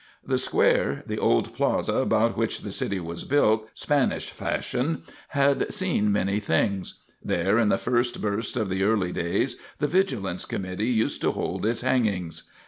The square, the old plaza about which the city was built, Spanish fashion, had seen many things. There in the first burst of the early days the vigilance committee used to hold its hangings.